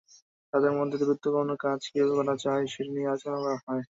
তাঁদের মধ্যে দূরত্ব কমানোর কাজ কীভাবে করা যায়, সেটি নিয়েও আলোচনা হয়।